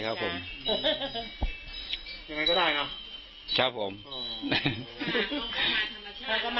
ก็ไม่เป็นไรไม่เสียใจไม่เสียใจครับผม